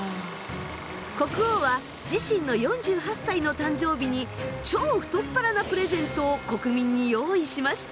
国王は自身の４８歳の誕生日に超太っ腹なプレゼントを国民に用意しました。